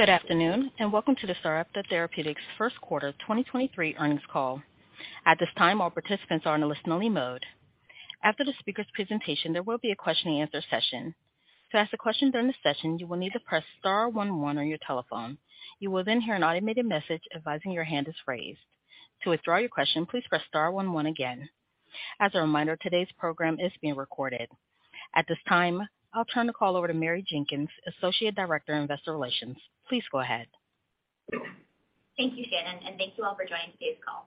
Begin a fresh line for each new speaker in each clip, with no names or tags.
Good afternoon. Welcome to the Sarepta Therapeutics first quarter 2023 earnings call. At this time, all participants are in a listen-only mode. After the speaker's presentation, there will be a question-and-answer session. To ask a question during the session, you will need to press star one one on your telephone. You will hear an automated message advising your hand is raised. To withdraw your question, please press star one one again. As a reminder, today's program is being recorded. At this time, I'll turn the call over to Mary Jenkins, Associate Director of Investor Relations. Please go ahead.
Thank you, Shannon, and thank you all for joining today's call.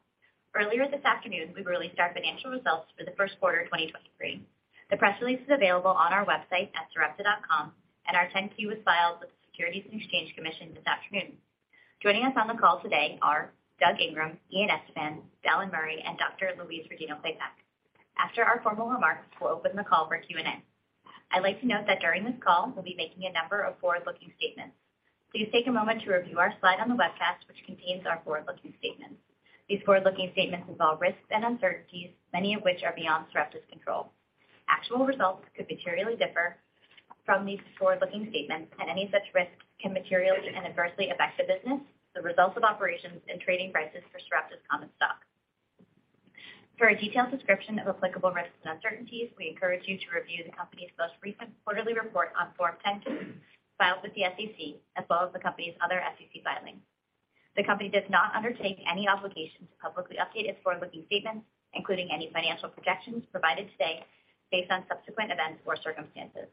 Earlier this afternoon, we released our financial results for the first quarter of 2023. The press release is available on our website at sarepta.com and our 10-Q was filed with the Securities and Exchange Commission this afternoon. Joining us on the call today are Doug Ingram, Ian Estepan, Dallan Murray, and Dr. Louise Rodino-Klapac. After our formal remarks, we'll open the call for Q&A. I'd like to note that during this call, we'll be making a number of forward-looking statements. Please take a moment to review our slide on the webcast, which contains our forward-looking statements. These forward-looking statements involve risks and uncertainties, many of which are beyond Sarepta's control. Actual results could materially differ from these forward-looking statements. Any such risks can materially and adversely affect the business, the results of operations, and trading prices for Sarepta's common stock. For a detailed description of applicable risks and uncertainties, we encourage you to review the company's most recent quarterly report on Form 10-K filed with the SEC, as well as the company's other SEC filings. The company does not undertake any obligation to publicly update its forward-looking statements, including any financial projections provided today based on subsequent events or circumstances.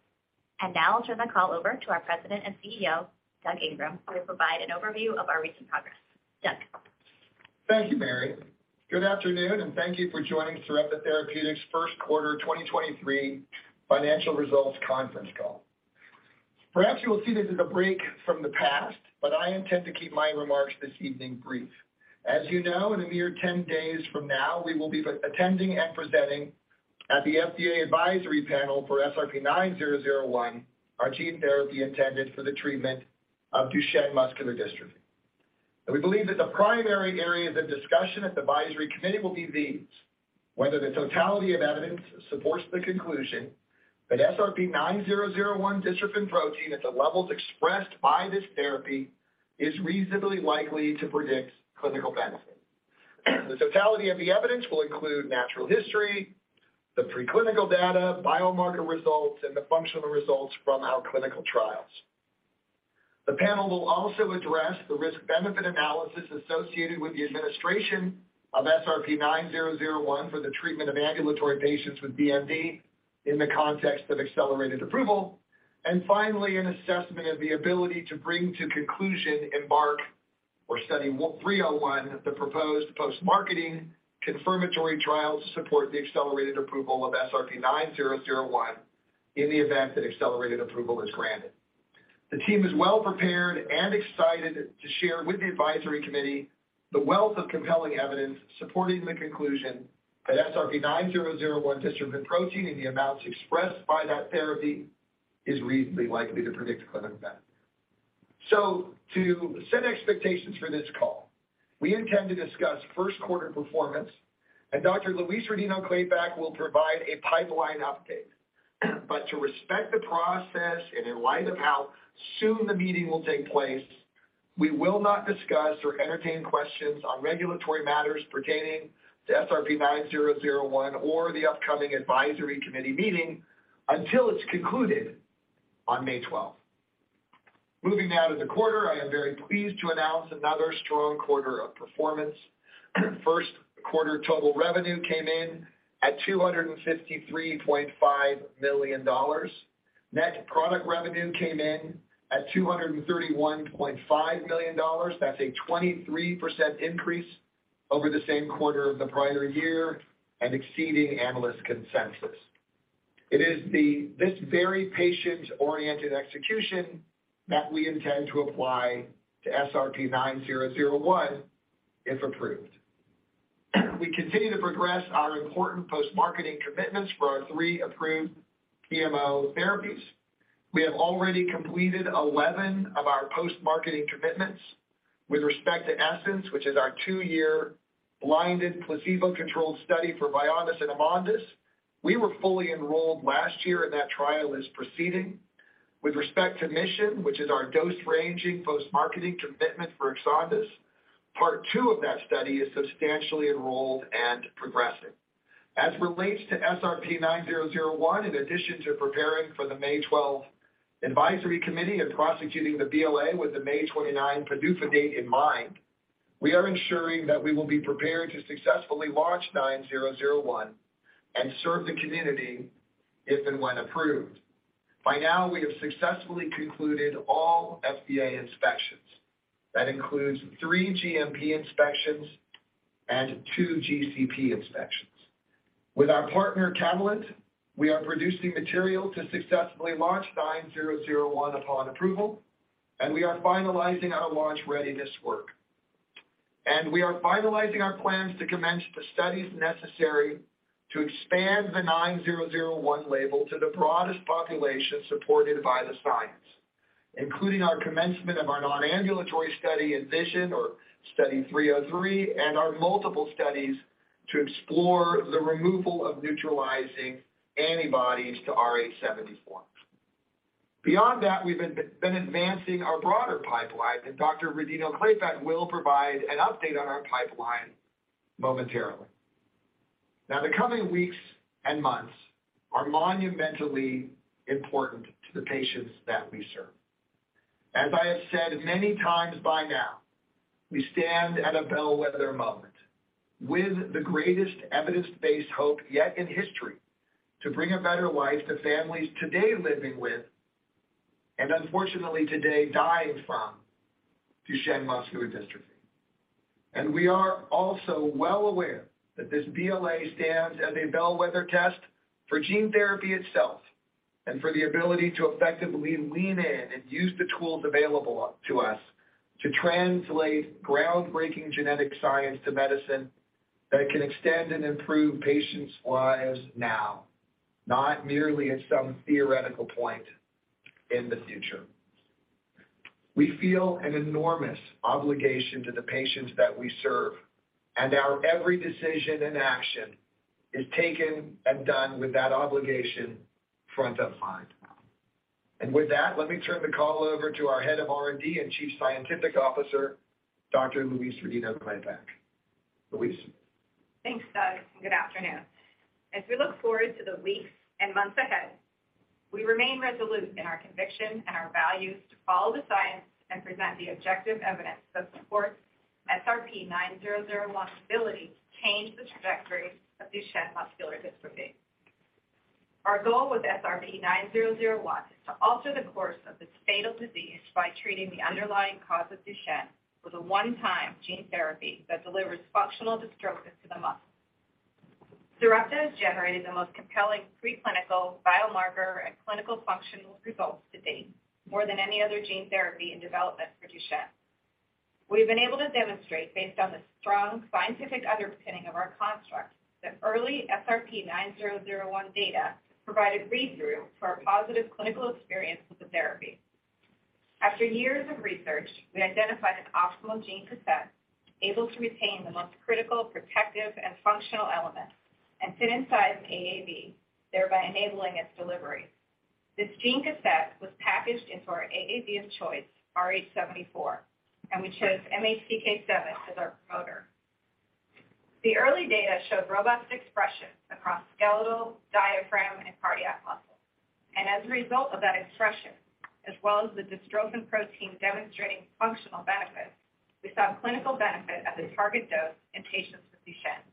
Now I'll turn the call over to our President and CEO, Doug Ingram, to provide an overview of our recent progress. Doug?
Thank you, Mary. Good afternoon, and thank you for joining Sarepta Therapeutics first quarter 2023 financial results conference call. Perhaps you will see this as a break from the past, but I intend to keep my remarks this evening brief. As you know, in a mere 10 days from now, we will be attending and presenting at the FDA advisory panel for SRP-9001, our gene therapy intended for the treatment of Duchenne muscular dystrophy. We believe that the primary areas of discussion at the advisory committee will be these: Whether the totality of evidence supports the conclusion that SRP-9001 dystrophin protein at the levels expressed by this therapy is reasonably likely to predict clinical benefit. The totality of the evidence will include natural history, the pre-clinical data, biomarker results, and the functional results from our clinical trials. The panel will also address the risk-benefit analysis associated with the administration of SRP-9001 for the treatment of ambulatory patients with BMD in the context of accelerated approval. Finally, an assessment of the ability to bring to conclusion EMBARK or Study 301, the proposed post-marketing confirmatory trial to support the accelerated approval of SRP-9001 in the event that accelerated approval is granted. The team is well prepared and excited to share with the advisory committee the wealth of compelling evidence supporting the conclusion that SRP-9001 dystrophin protein in the amounts expressed by that therapy is reasonably likely to predict clinical benefit. To set expectations for this call, we intend to discuss first quarter performance and Dr. Louise Rodino-Klapac will provide a pipeline update. To respect the process and in light of how soon the meeting will take place, we will not discuss or entertain questions on regulatory matters pertaining to SRP-9001 or the upcoming advisory committee meeting until it's concluded on May 12th. Moving now to the quarter, I am very pleased to announce another strong quarter of performance. First quarter total revenue came in at $253.5 million. Net product revenue came in at $231.5 million. That's a 23% increase over the same quarter of the prior year and exceeding analyst consensus. It is this very patient-oriented execution that we intend to apply to SRP-9001 if approved. We continue to progress our important post-marketing commitments for our three approved PMO therapies. We have already completed 11 of our post-marketing commitments with respect to ESSENCE, which is our two-year blinded placebo-controlled study for Vyondys and Amondys. We were fully enrolled last year, and that trial is proceeding. With respect to MIS51ON, which is our dose-ranging post-marketing commitment for Exondys, part two of that study is substantially enrolled and progressing. As relates to SRP-9001, in addition to preparing for the May 12th advisory committee and prosecuting the BLA with the May 29 PDUFA date in mind, we are ensuring that we will be prepared to successfully launch 9001 and serve the community if and when approved. By now, we have successfully concluded all FDA inspections. That includes three GMP inspections and two GCP inspections. With our partner, Catalent, we are producing material to successfully launch SRP-9001 upon approval. We are finalizing our launch readiness work. We are finalizing our plans to commence the studies necessary to expand the SRP-9001 label to the broadest population supported by the science, including our commencement of our non-ambulatory study in MIS51ON or Study 303, and our multiple studies to explore the removal of neutralizing antibodies to rAAVrh74. Beyond that, we've been advancing our broader pipeline, and Dr. Louise Rodino-Klapac will provide an update on our pipeline momentarily. Now, the coming weeks and months are monumentally important to the patients that we serve. As I have said many times by now, we stand at a bellwether moment with the greatest evidence-based hope yet in history to bring a better life to families today living with and unfortunately today dying from Duchenne muscular dystrophy. We are also well aware that this BLA stands as a bellwether test for gene therapy itself and for the ability to effectively lean in and use the tools available to us to translate groundbreaking genetic science to medicine that can extend and improve patients' lives now, not merely at some theoretical point in the future. We feel an enormous obligation to the patients that we serve, and our every decision and action is taken and done with that obligation front of mind. With that, let me turn the call over to our Head of R&D and Chief Scientific Officer, Dr. Louise Rodino-Klapac. Louise.
Thanks, Doug. Good afternoon. As we look forward to the weeks and months ahead, we remain resolute in our conviction and our values to follow the science and present the objective evidence that supports SRP-9001's ability to change the trajectory of Duchenne muscular dystrophy. Our goal with SRP-9001 is to alter the course of this fatal disease by treating the underlying cause of Duchenne with a one-time gene therapy that delivers functional dystrophin to the muscle. Sarepta has generated the most compelling preclinical biomarker and clinical functional results to date, more than any other gene therapy in development for Duchenne. We've been able to demonstrate based on the strong scientific underpinning of our construct that early SRP-9001 data provided read-through to our positive clinical experience with the therapy. After years of research, we identified an optimal gene cassette able to retain the most critical protective and functional elements and fit inside AAV, thereby enabling its delivery. This gene cassette was packaged into our AAV of choice, rh-74, and we chose MHCK7 as our promoter. The early data showed robust expression across skeletal, diaphragm, and cardiac muscle. As a result of that expression, as well as the dystrophin protein demonstrating functional benefit, we saw clinical benefit at the target dose in patients with Duchenne.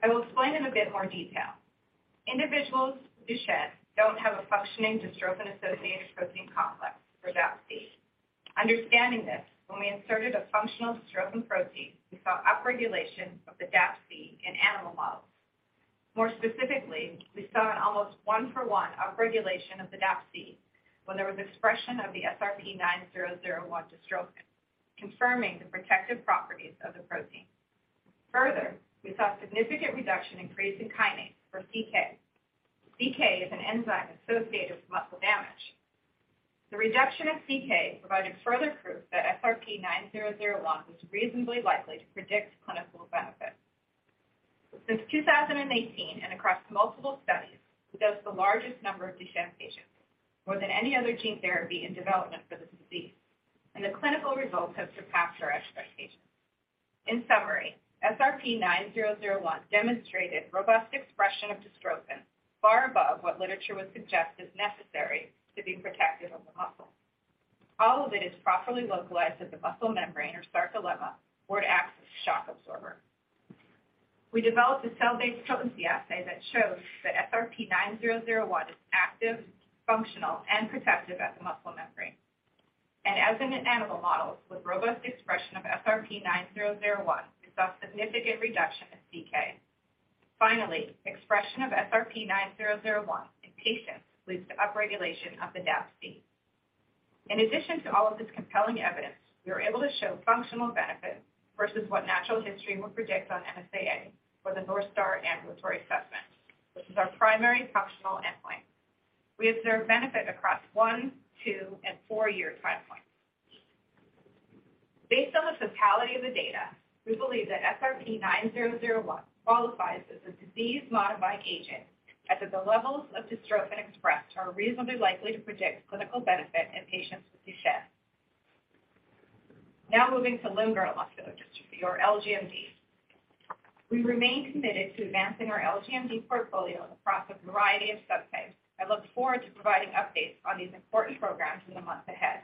I will explain in a bit more detail. Individuals with Duchenne don't have a functioning dystrophin-associated protein complex, or DAPC. Understanding this, when we inserted a functional dystrophin protein, we saw upregulation of the DAPC in animal models. More specifically, we saw an almost one for one upregulation of the DAPC when there was expression of the SRP-9001 dystrophin, confirming the protective properties of the protein. We saw significant reduction in creatine kinase, or CK. CK is an enzyme associated with muscle damage. The reduction of CK provided further proof that SRP-9001 was reasonably likely to predict clinical benefit. Since 2018 and across multiple studies, we dosed the largest number of Duchenne patients, more than any other gene therapy in development for this disease, the clinical results have surpassed our expectations. In summary, SRP-9001 demonstrated robust expression of dystrophin far above what literature would suggest is necessary to be protective of the muscle. All of it is properly localized at the muscle membrane or sarcolemma, where it acts as a shock absorber. We developed a cell-based potency assay that shows that SRP-9001 is active, functional, and protective at the muscle membrane. As in animal models with robust expression of SRP-9001, we saw significant reduction of CK. Finally, expression of SRP-9001 in patients leads to upregulation of the DAPC. In addition to all of this compelling evidence, we were able to show functional benefit versus what natural history would predict on NSAA for the North Star Ambulatory Assessment. This is our primary functional endpoint. We observed benefit across one, two, and four-year time points. Based on the totality of the data, we believe that SRP-9001 qualifies as a disease-modifying agent, as that the levels of dystrophin expressed are reasonably likely to predict clinical benefit in patients with Duchenne. Moving to limb-girdle muscular dystrophy or LGMD. We remain committed to advancing our LGMD portfolio across a variety of subtypes. I look forward to providing updates on these important programs in the months ahead.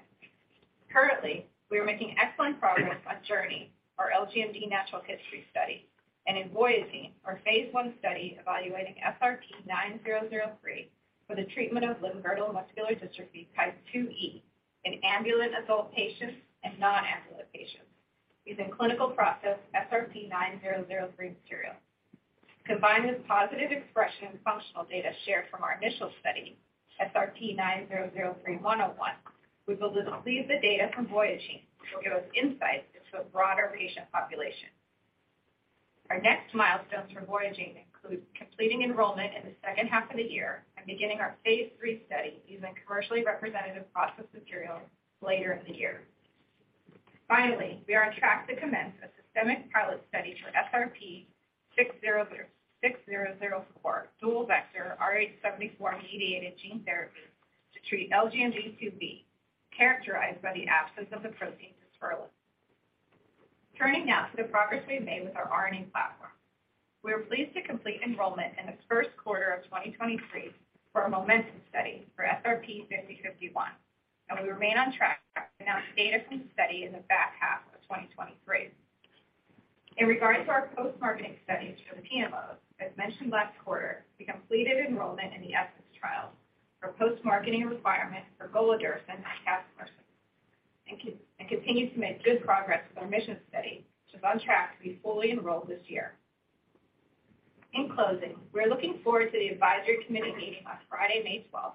Currently, we are making excellent progress on JOURNEY, our LGMD natural history study, and in VOYAGENE, our PI study evaluating SRP-9003 for the treatment of limb-girdle muscular dystrophy type 2E in ambulant adult patients and non-ambulant patients using clinical processed SRP-9003 material. Combined with positive expression and functional data shared from our initial study, SRP-9003-101, we believe the data from VOYAGENE will give us insights into a broader patient population. Our next milestones for VOYAGENE include completing enrollment in the second half of the year and beginning our PIII study using commercially representative processed material later in the year. Finally, we are on track to commence a systemic pilot study for SRP-6004 dual vector Rh74-mediated gene therapy to treat LGMD 2B, characterized by the absence of the protein dysferlin. Turning now to the progress we've made with our RNA platform. We are pleased to complete enrollment in the first quarter of 2023 for a MOMENTUM study for SRP-5051, and we remain on track to announce data from the study in the back half of 2023. In regards to our post-marketing studies for the PMOs, as mentioned last quarter, we completed enrollment in the ESSENCE trial for post-marketing requirements for golodirsen and casimersen, and continue to make good progress with our MIS51ON study, which is on track to be fully enrolled this year. In closing, we're looking forward to the advisory committee meeting on Friday, May 12th,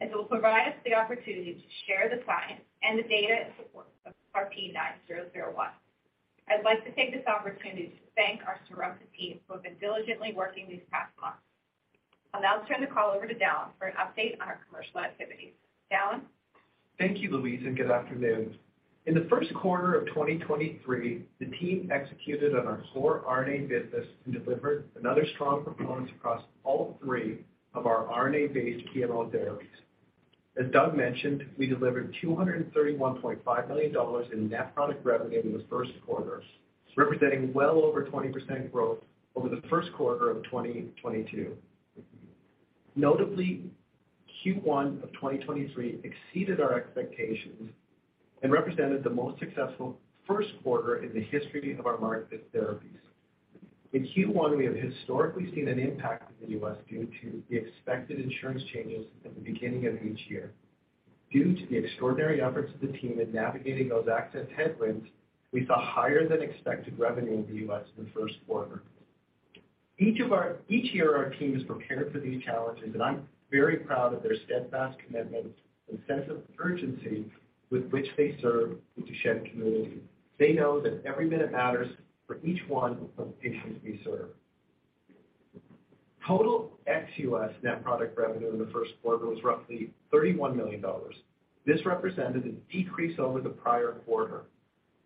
as it will provide us the opportunity to share the science and the data in support of SRP-9001. I'd like to take this opportunity to thank our Sarepta team who have been diligently working these past months. I'll now turn the call over to Dallan for an update on our commercial activities. Dallan?
Thank you, Louise. Good afternoon. In the first quarter of 2023, the team executed on our core RNA business and delivered another strong performance across all three of our RNA-based PMO therapies. As Doug mentioned, we delivered $231.5 million in net product revenue in the first quarter, representing well over 20% growth over the first quarter of 2022. Notably, Q1 of 2023 exceeded our expectations and represented the most successful first quarter in the history of our market fit therapies. In Q1, we have historically seen an impact in the U.S. due to the expected insurance changes at the beginning of each year. Due to the extraordinary efforts of the team in navigating those access headwinds, we saw higher than expected revenue in the U.S.. in the first quarter. Each year, our team is prepared for these challenges, and I'm very proud of their steadfast commitment and sense of urgency with which they serve the Duchenne community. They know that every minute matters for each one of the patients we serve. Total ex-US net product revenue in the first quarter was roughly $31 million. This represented a decrease over the prior quarter,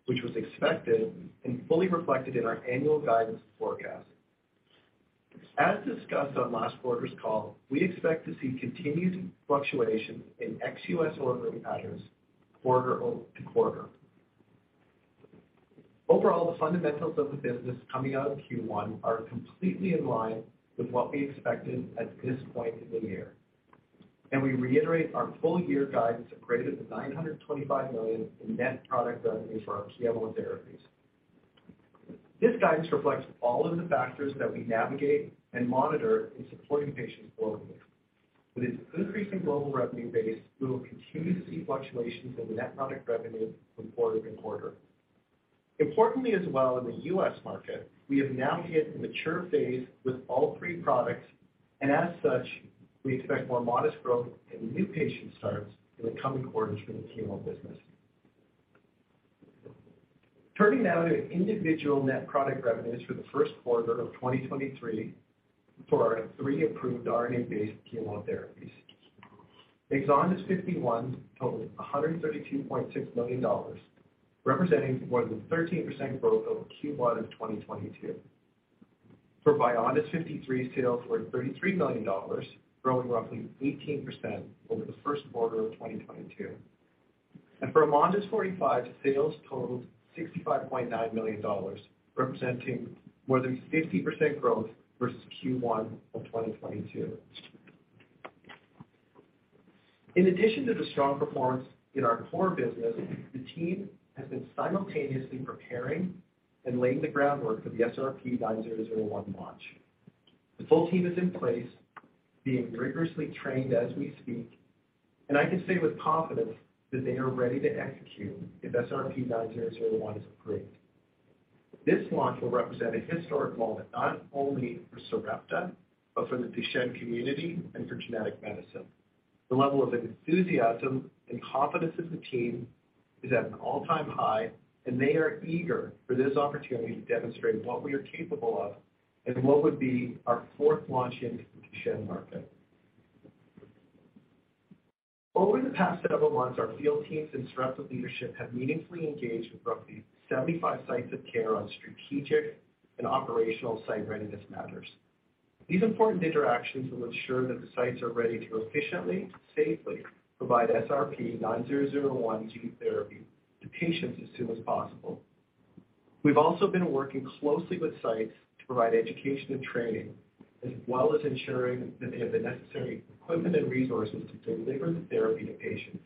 which was expected and fully reflected in our annual guidance forecast. As discussed on last quarter's call, we expect to see continued fluctuation in ex-US ordering patterns quarter to quarter. Overall, the fundamentals of the business coming out of Q1 are completely in line with what we expected at this point in the year, and we reiterate our full-year guidance of greater than $925 million in net product revenue for our PMO therapies. This guidance reflects all of the factors that we navigate and monitor in supporting patients globally. With its increasing global revenue base, we will continue to see fluctuations in the net product revenue from quarter to quarter. Importantly as well in the U.S.. market, we have now hit the mature phase with all three products, and as such, we expect more modest growth in new patient starts in the coming quarters for the PMO business. Turning now to individual net product revenues for the first quarter of 2023 for our three approved RNA-based PMO therapies. Exondys 51 totaled $132.6 million, representing more than 13% growth over Q1 of 2022. For Vyondys 53, sales were $33 million, growing roughly 18% over the first quarter of 2022. For Amondys 45, sales totaled $65.9 million, representing more than 50% growth versus Q1 of 2022. In addition to the strong performance in our core business, the team has been simultaneously preparing and laying the groundwork for the SRP-9001 launch. The full team is in place, being rigorously trained as we speak, and I can say with confidence that they are ready to execute if SRP-9001 is approved. This launch will represent a historic moment, not only for Sarepta, but for the Duchenne community and for genetic medicine. The level of enthusiasm and confidence of the team is at an all-time high, and they are eager for this opportunity to demonstrate what we are capable of and what would be our fourth launch into the Duchenne market. Over the past several months, our field teams and Sarepta leadership have meaningfully engaged with roughly 75 sites of care on strategic and operational site readiness matters. These important interactions will ensure that the sites are ready to efficiently, safely provide SRP-9001 gene therapy to patients as soon as possible. We've also been working closely with sites to provide education and training, as well as ensuring that they have the necessary equipment and resources to deliver the therapy to patients.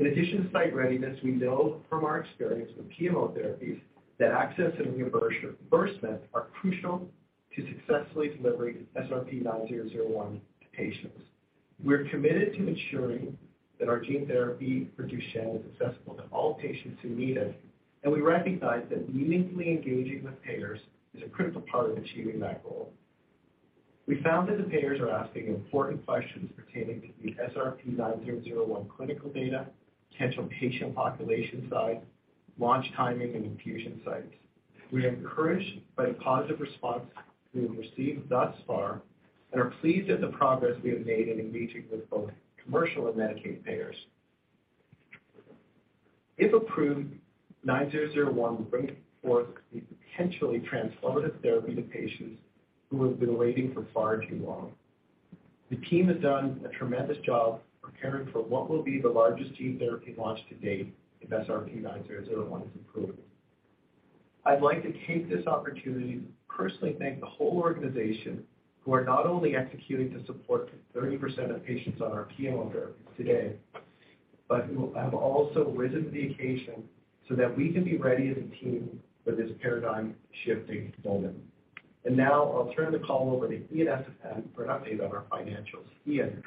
In addition to site readiness, we know from our experience with PMO therapies that access and reimbursement are crucial to successfully delivering SRP-9001 to patients. We're committed to ensuring that our gene therapy for Duchenne is accessible to all patients who need it, and we recognize that meaningfully engaging with payers is a critical part of achieving that goal. We found that the payers are asking important questions pertaining to the SRP-9001 clinical data, potential patient population size, launch timing and infusion sites. We are encouraged by the positive response we have received thus far and are pleased at the progress we have made in engaging with both commercial and Medicaid payers. If approved, 9001 will bring forth a potentially transformative therapy to patients who have been waiting for far too long. The team has done a tremendous job preparing for what will be the largest gene therapy launch to date if SRP-9001 is approved. I'd like to take this opportunity to personally thank the whole organization who are not only executing to support 30% of patients on our PMO therapy today, but who have also risen to the occasion so that we can be ready as a team for this paradigm-shifting moment. Now I'll turn the call over to Ian Estepan for an update on our financials. Ian?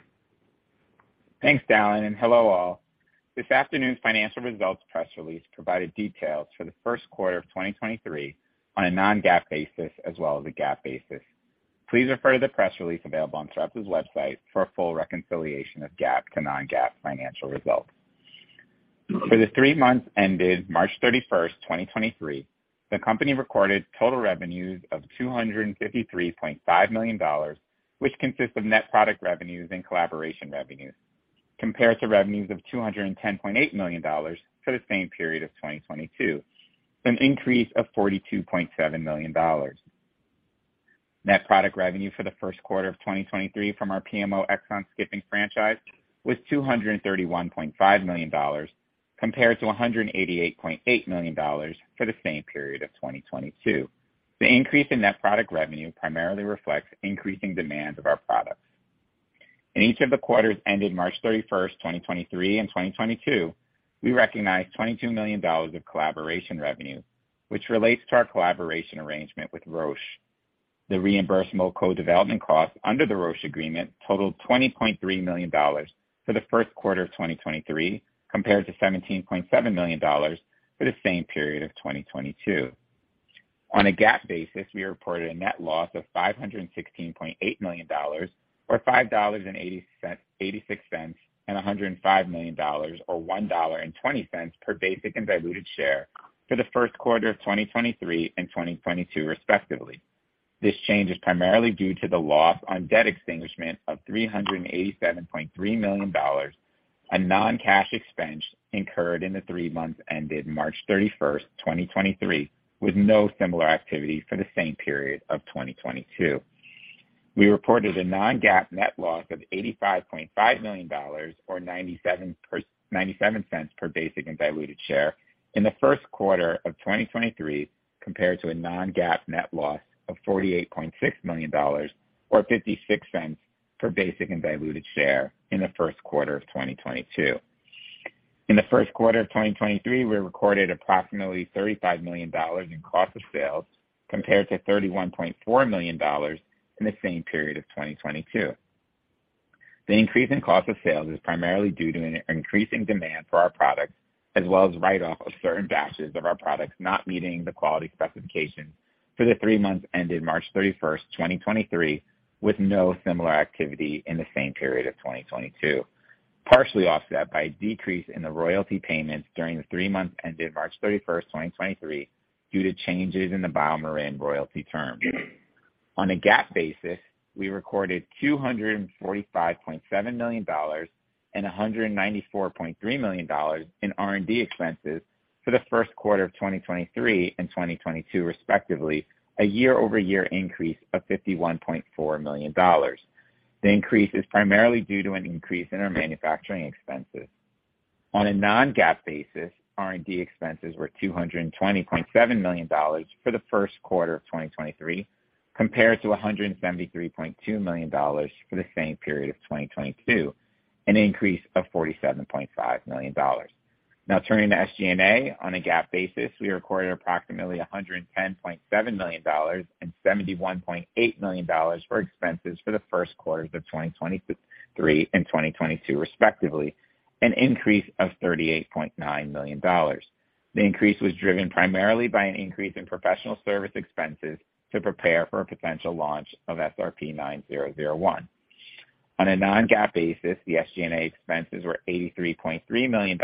Thanks, Dallan, hello, all. This afternoon's financial results press release provided details for the first quarter of 2023 on a non-GAAP basis as well as a GAAP basis. Please refer to the press release available on Sarepta's website for a full reconciliation of GAAP to non-GAAP financial results. For the three months ended March 31st, 2023, the company recorded total revenues of $253.5 million, which consists of net product revenues and collaboration revenues, compared to revenues of $210.8 million for the same period of 2022, an increase of $42.7 million. Net product revenue for the first quarter of 2023 from our PMO exon-skipping franchise was $231.5 million compared to $188.8 million for the same period of 2022. The increase in net product revenue primarily reflects increasing demand of our products. In each of the quarters ending March 31, 2023 and 2022, we recognized $22 million of collaboration revenue, which relates to our collaboration arrangement with Roche. The reimbursable co-development costs under the Roche agreement totaled $20.3 million for the first quarter of 2023, compared to $17.7 million for the same period of 2022. On a GAAP basis, we reported a net loss of $516.8 million, or $5.86, and $105 million, or $1.20 per basic and diluted share for the first quarter of 2023 and 2022, respectively. This change is primarily due to the loss on debt extinguishment of $387.3 million, a non-cash expense incurred in the three months ended March 31, 2023, with no similar activity for the same period of 2022. We reported a non-GAAP net loss of $85.5 million, or $0.97 per basic and diluted share in the first quarter of 2023, compared to a non-GAAP net loss of $48.6 million, or $0.56 per basic and diluted share in the first quarter of 2022. In the first quarter of 2023, we recorded approximately $35 million in cost of sales, compared to $31.4 million in the same period of 2022. The increase in cost of sales is primarily due to an increasing demand for our products, as well as write-off of certain batches of our products not meeting the quality specifications for the three months ended March 31, 2023, with no similar activity in the same period of 2022, partially offset by a decrease in the royalty payments during the three months ended March 31, 2023, due to changes in the BioMarin royalty terms. On a GAAP basis, we recorded $245.7 million and $194.3 million in R&D expenses for the first quarter of 2023 and 2022, respectively, a year-over-year increase of $51.4 million. The increase is primarily due to an increase in our manufacturing expenses. On a non-GAAP basis, R&D expenses were $220.7 million for the first quarter of 2023, compared to $173.2 million for the same period of 2022, an increase of $47.5 million. Turning to SG&A. On a GAAP basis, we recorded approximately $110.7 million and $71.8 million for expenses for the first quarters of 2023 and 2022, respectively, an increase of $38.9 million. The increase was driven primarily by an increase in professional service expenses to prepare for a potential launch of SRP-9001. On a non-GAAP basis, the SG&A expenses were $83.3 million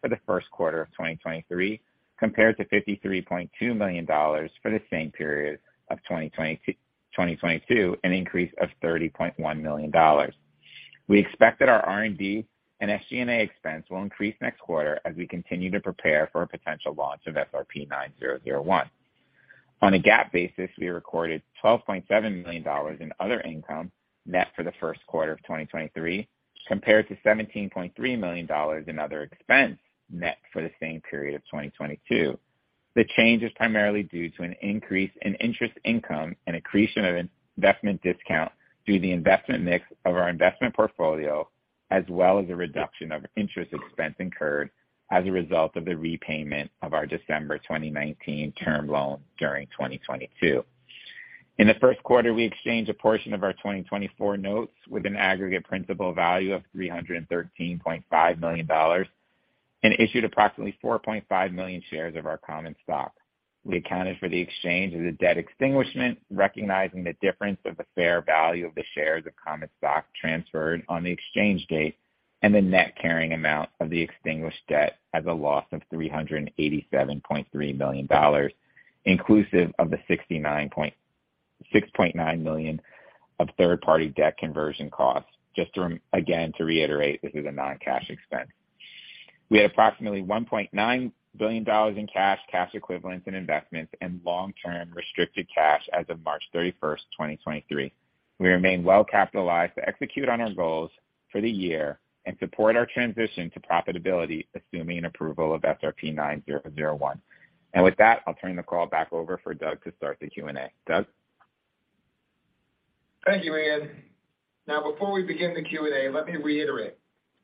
for the first quarter of 2023, compared to $53.2 million for the same period of 2022, an increase of $30.1 million. We expect that our R&D and SG&A expense will increase next quarter as we continue to prepare for a potential launch of SRP-9001. On a GAAP basis, we recorded $12.7 million in other income net for the first quarter of 2023, compared to $17.3 million in other expense net for the same period of 2022. The change is primarily due to an increase in interest income and accretion of investment discount due to the investment mix of our investment portfolio, as well as a reduction of interest expense incurred as a result of the repayment of our December 2019 term loan during 2022. In the first quarter, we exchanged a portion of our 2024 notes with an aggregate principal value of $313.5 million and issued approximately 4.5 million shares of our common stock. We accounted for the exchange as a debt extinguishment, recognizing the difference of the fair value of the shares of common stock transferred on the exchange date and the net carrying amount of the extinguished debt as a loss of $387.3 million, inclusive of the $6.9 million of third-party debt conversion costs. Just to again, to reiterate, this is a non-cash expense. We had approximately $1.9 billion in cash equivalents, and investments and long-term restricted cash as of March 31, 2023. We remain well capitalized to execute on our goals for the year and support our transition to profitability, assuming an approval of SRP-9001. With that, I'll turn the call back over for Doug to start the Q&A. Doug?
Thank you, Ian. Now, before we begin the Q&A, let me reiterate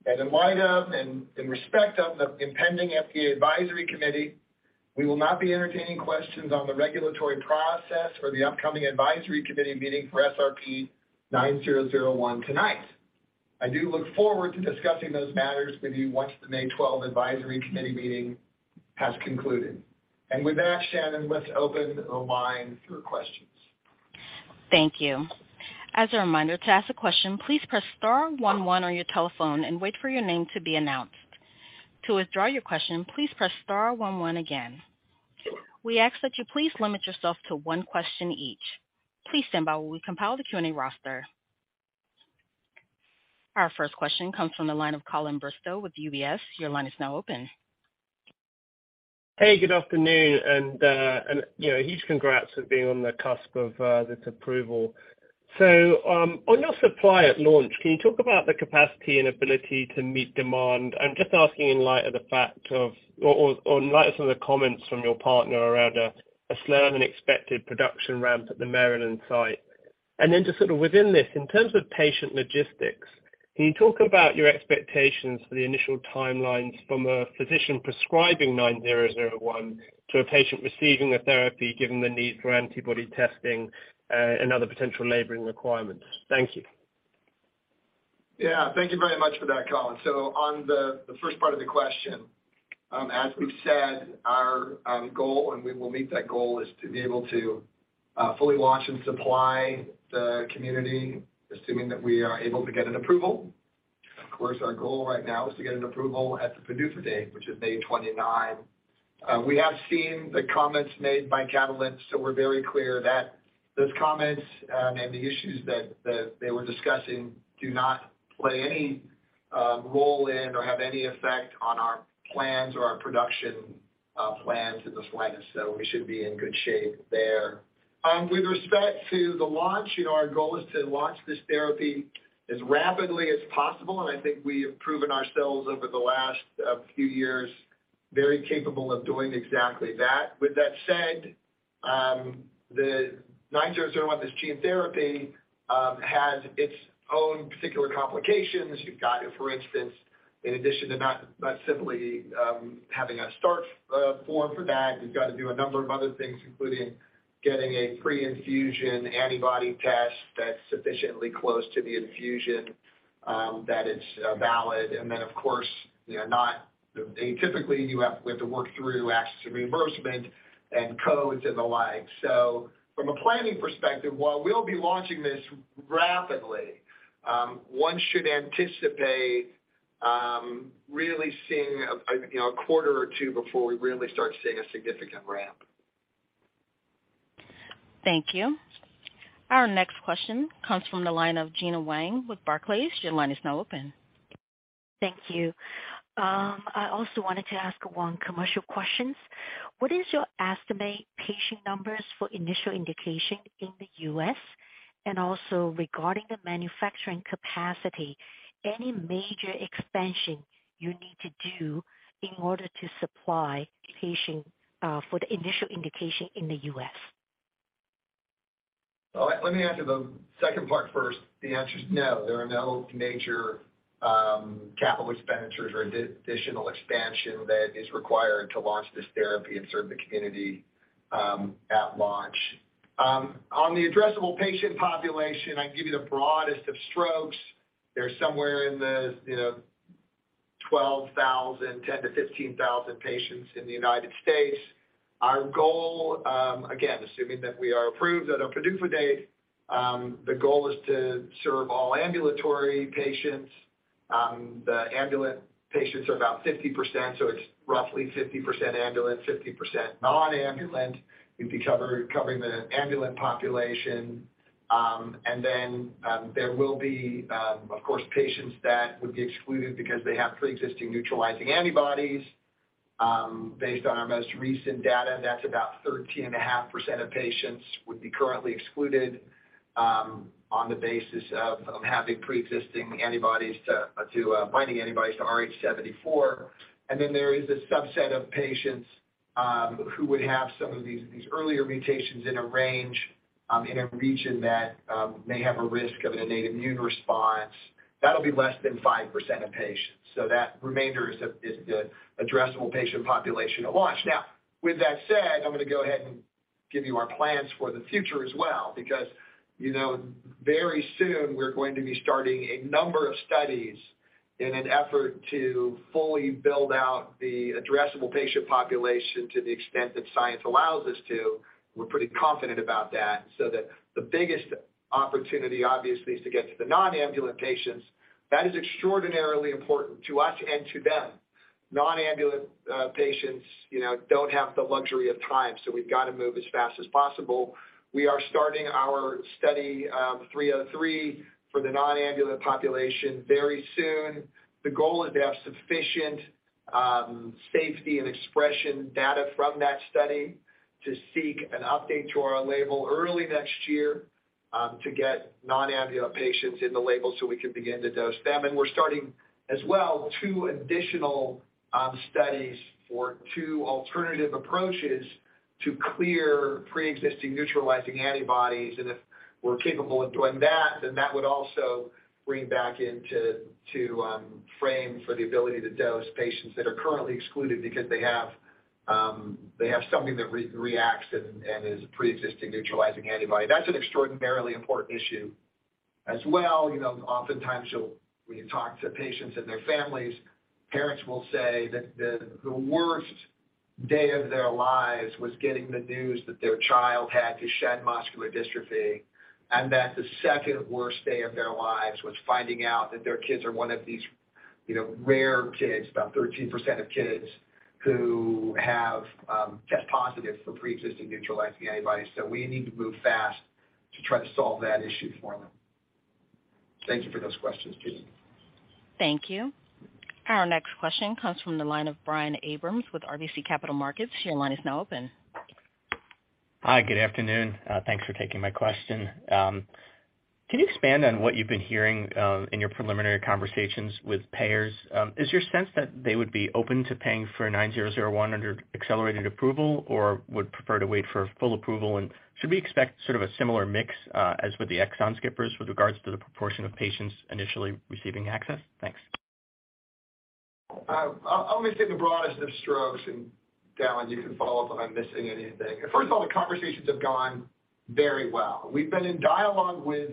that in light of and in respect of the impending FDA advisory committee, we will not be entertaining questions on the regulatory process or the upcoming advisory committee meeting for SRP-9001 tonight. I do look forward to discussing those matters with you once the May 12 advisory committee meeting has concluded. With that, Shannon, let's open the line for questions.
Thank you. As a reminder, to ask a question, please press star 11 on your telephone and wait for your name to be announced. To withdraw your question, please press star 11 again. We ask that you please limit yourself to 1 question each. Please stand by while we compile the Q&A roster. Our first question comes from the line of Colin Bristow with UBS. Your line is now open.
Hey, good afternoon, and, you know, huge congrats for being on the cusp of this approval. On your supply at launch, can you talk about the capacity and ability to meet demand? I'm just asking in light of the fact or in light of some of the comments from your partner around a slower-than-expected production ramp at the Maryland site. Just sort of within this, in terms of patient logistics, can you talk about your expectations for the initial timelines from a physician prescribing 9001 to a patient receiving the therapy, given the need for antibody testing and other potential laboring requirements? Thank you.
Thank you very much for that, Colin. On the first part of the question, as we've said, our goal, and we will meet that goal, is to be able to fully launch and supply the community, assuming that we are able to get an approval. Of course, our goal right now is to get an approval at the PDUFA date, which is May 29. We have seen the comments made by Catalent, we're very clear that those comments, and the issues that they were discussing do not play any role in or have any effect on our plans or our production plans in the slightest. We should be in good shape there. With respect to the launch, you know, our goal is to launch this therapy as rapidly as possible, and I think we have proven ourselves over the last few years very capable of doing exactly that. With that said, the SRP-9001, this gene therapy has its own particular complications. You've got it, for instance, in addition to not simply having a start form for that, you've got to do a number of other things, including getting a pre-infusion antibody test that's sufficiently close to the infusion that it's valid. Then, of course, you know, not. And typically you have, we have to work through access to reimbursement and codes and the like. From a planning perspective, while we'll be launching this rapidly, one should anticipate, really seeing a, you know, a quarter or two before we really start seeing a significant ramp.
Thank you. Our next question comes from the line of Gena Wang with Barclays. Your line is now open.
Thank you. I also wanted to ask one commercial questions. What is your estimate patient numbers for initial indication in the U.S..? Also regarding the manufacturing capacity, any major expansion you need to do in order to supply patient for the initial indication in the U.S..?
All right. Let me answer the second part first. The answer is no. There are no major capital expenditures or additional expansion that is required to launch this therapy and serve the community at launch. On the addressable patient population, I can give you the broadest of strokes. They're somewhere in the, you know, 12,000, 10,000-15,000 patients in the United States. Our goal, again, assuming that we are approved at a PDUFA date, the goal is to serve all ambulatory patients. The ambulant patients are about 50%, so it's roughly 50% ambulant, 50% non-ambulant. You'd be covering the ambulant population. Then, there will be, of course, patients that would be excluded because they have preexisting neutralizing antibodies. Based on our most recent data, that's about 13.5% of patients would be currently excluded on the basis of having preexisting antibodies to binding antibodies to Rh74. There is a subset of patients who would have some of these earlier mutations in a range in a region that may have a risk of an innate immune response. That'll be less than 5% of patients. That remainder is the addressable patient population at launch. Now, with that said, Give you our plans for the future as well, because, you know, very soon we're going to be starting a number of studies in an effort to fully build out the addressable patient population to the extent that science allows us to. We're pretty confident about that, so that the biggest opportunity, obviously, is to get to the non-ambulant patients. That is extraordinarily important to us and to them. Non-ambulant patients, you know, don't have the luxury of time, so we've got to move as fast as possible. We are starting our Study 303 for the non-ambulant population very soon. The goal is to have sufficient safety and expression data from that study to seek an update to our label early next year to get non-ambulant patients in the label so we can begin to dose them. We're starting as well, two additional studies for two alternative approaches to clear preexisting neutralizing antibodies. If we're capable of doing that, then that would also bring back into frame for the ability to dose patients that are currently excluded because they have something that re-reacts and is a preexisting neutralizing antibody. That's an extraordinarily important issue as well. You know, oftentimes when you talk to patients and their families, parents will say that the worst day of their lives was getting the news that their child had Duchenne muscular dystrophy, and that the second worst day of their lives was finding out that their kids are one of these, you know, rare kids, about 13% of kids who have test positive for preexisting neutralizing antibodies. We need to move fast to try to solve that issue for them. Thank you for those questions, Jean.
Thank you. Our next question comes from the line of Brian Abrahams with RBC Capital Markets. Your line is now open.
Hi, good afternoon. Thanks for taking my question. Can you expand on what you've been hearing in your preliminary conversations with payers? Is your sense that they would be open to paying for SRP-9001 under accelerated approval or would prefer to wait for full approval? Should we expect sort of a similar mix as with the exon skippers with regards to the proportion of patients initially receiving access? Thanks.
I'll maybe say the broadest of strokes. Dallan you can follow up if I'm missing anything. First of all, the conversations have gone very well. We've been in dialogue with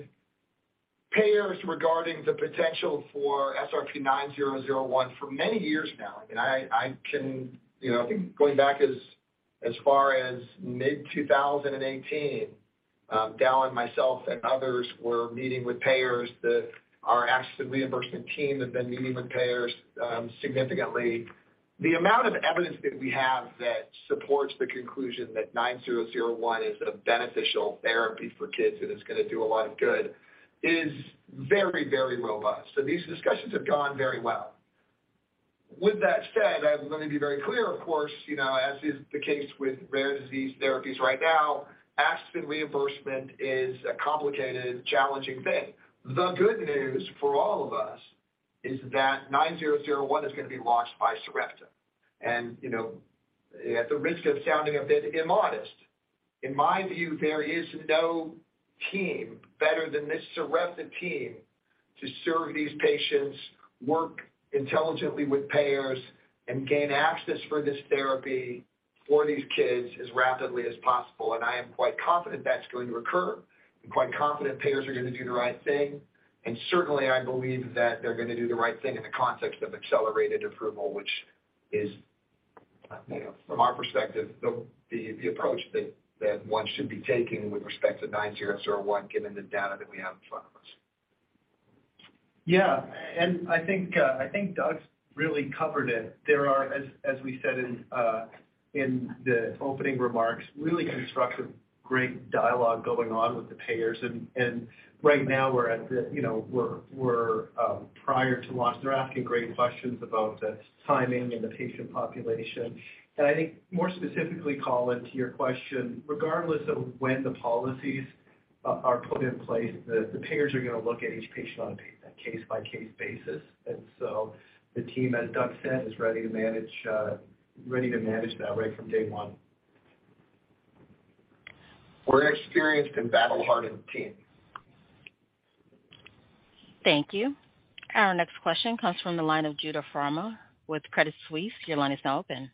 payers regarding the potential for SRP-9001 for many years now. I mean, I can, you know, I think going back as far as mid-2018, Dallan, myself, and others were meeting with payers that our access and reimbursement team have been meeting with payers significantly. The amount of evidence that we have that supports the conclusion that 9001 is a beneficial therapy for kids and is gonna do a lot of good is very robust. These discussions have gone very well. With that said, I'm gonna be very clear, of course, you know, as is the case with rare disease therapies right now, access and reimbursement is a complicated, challenging thing. The good news for all of us is that 9001 is gonna be launched by Sarepta. You know, at the risk of sounding a bit immodest, in my view, there is no team better than this Sarepta team to serve these patients, work intelligently with payers, and gain access for this therapy for these kids as rapidly as possible. I am quite confident that's going to occur. I'm quite confident payers are gonna do the right thing. Certainly, I believe that they're gonna do the right thing in the context of accelerated approval, which is, you know, from our perspective, the approach that one should be taking with respect to SRP-9001, given the data that we have in front of us.
Yeah. I think Doug's really covered it. There are, as we said in the opening remarks, really constructive, great dialogue going on with the payers. Right now we're at the, you know, we're prior to launch. They're asking great questions about the timing and the patient population. I think more specifically, Colin, to your question, regardless of when the policies are put in place, the payers are gonna look at each patient on a case-by-case basis. The team, as Doug said, is ready to manage, ready to manage that right from day one.
We're an experienced and battle-hardened team.
Thank you. Our next question comes from the line of Judah Frommer with Credit Suisse. Your line is now open.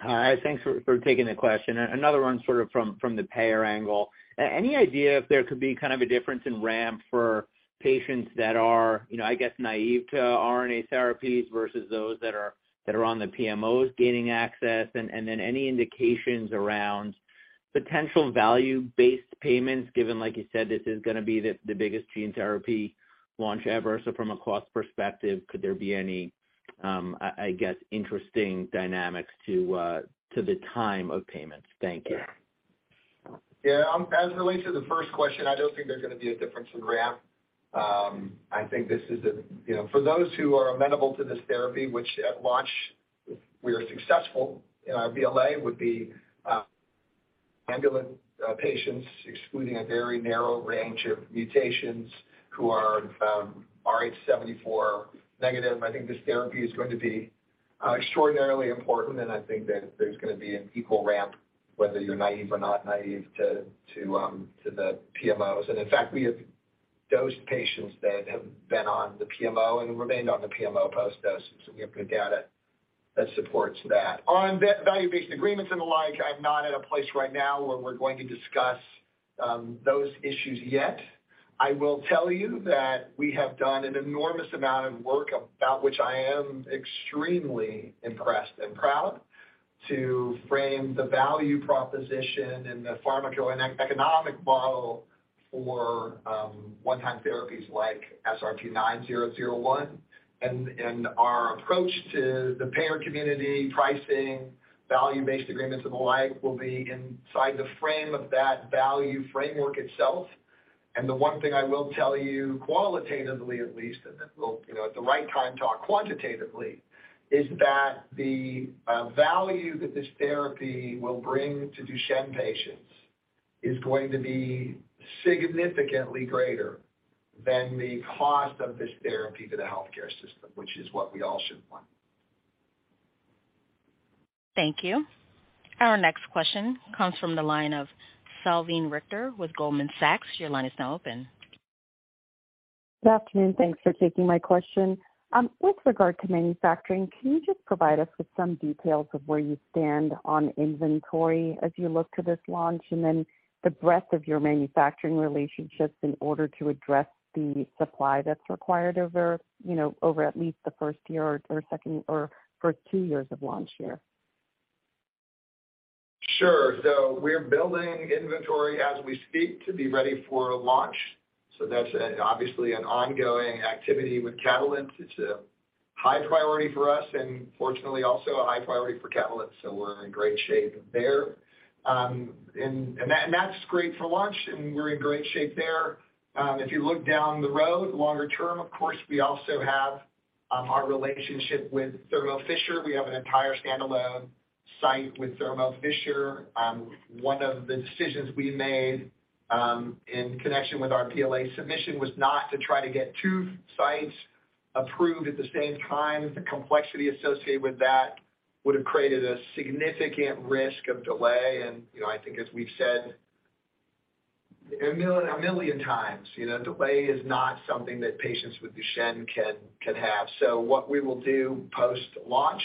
Hi. Thanks for taking the question. Another one sort of from the payer angle. Any idea if there could be kind of a difference in ramp for patients that are, you know, I guess, naive to RNA therapies versus those that are on the PMOs gaining access? Any indications around potential value-based payments given, like you said, this is gonna be the biggest gene therapy launch ever. From a cost perspective, could there be any, I guess, interesting dynamics to the time of payments? Thank you.
Yeah. As it relates to the first question, I don't think there's going to be a difference in ramp. I think this is a, you know. For those who are amenable to this therapy, which at launch, if we are successful in our BLA, would be ambulant patients excluding a very narrow range of mutations who are rh74 negative. I think this therapy is going to be extraordinarily important, and I think that there's going to be an equal ramp whether you're naive or not naive to the PMOs. In fact, we Dosed patients that have been on the PMO and remained on the PMO post-dose, so we have good data that supports that. On value-based agreements and the like, I'm not at a place right now where we're going to discuss those issues yet. I will tell you that we have done an enormous amount of work about which I am extremely impressed and proud to frame the value proposition and the pharmacoeconomic model for one-time therapies like SRP-9001. Our approach to the payer community pricing, value-based agreements and the like will be inside the frame of that value framework itself. The one thing I will tell you qualitatively at least, then we'll, you know, at the right time talk quantitatively, is that the value that this therapy will bring to Duchenne patients is going to be significantly greater than the cost of this therapy to the healthcare system, which is what we all should want.
Thank you. Our next question comes from the line of Salveen Richter with Goldman Sachs. Your line is now open.
Good afternoon, thanks for taking my question. With regard to manufacturing, can you just provide us with some details of where you stand on inventory as you look to this launch, and then the breadth of your manufacturing relationships in order to address the supply that's required over, you know, over at least the first year or second or first two years of launch year?
Sure. We're building inventory as we speak to be ready for launch. That's obviously an ongoing activity with Catalent. It's a high priority for us and fortunately also a high priority for Catalent, so we're in great shape there. That's great for launch, and we're in great shape there. If you look down the road longer term, of course, we also have our relationship with Thermo Fisher. We have an entire standalone site with Thermo Fisher. One of the decisions we made in connection with our BLA submission was not to try to get two sites approved at the same time. The complexity associated with that would have created a significant risk of delay. You know, I think as we've said a million times, you know, delay is not something that patients with Duchenne can have. What we will do post-launch